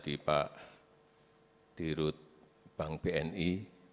di pak dirut bank bni